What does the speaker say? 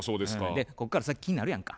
でこっから先気になるやんか。